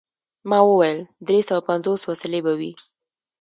ما وویل: دری سوه پنځوس وسلې به وي.